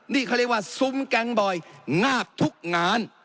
นี่เขาเรียกว่าซุ้มแก๊งบ่อยงาบทุกงาน